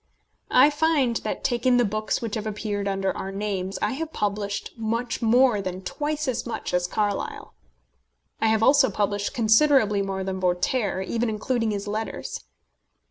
I find that, taking the books which have appeared under our names, I have published much more than twice as much as Carlyle. I have also published considerably more than Voltaire, even including his letters.